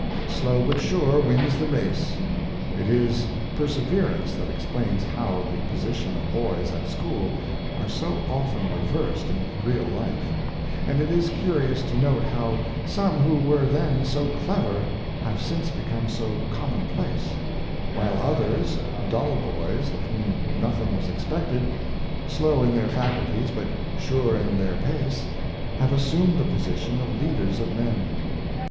Slow but sure wins the race. It is perse verance that explains how the position of boys at school are so often reversed in real life, and it is curi ous to note how some who were then so clever have since become so commonplace; while others, dull boys, of whom nothing was expected, slow in their faculties but sure in their pace, have assumed the. position of leaders of men.